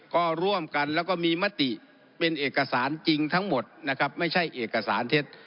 ก็ร่วมกันแล้วก็มีมติเป็นเอกสารจริงทั้งหมดนะครับไม่ใช่เอกสารเท็จ